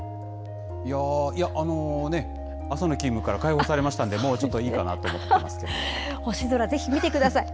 いやぁ、あの、朝の勤務から解放されましたので、もうちょっといいかなと思ってま星空、ぜひ見てください。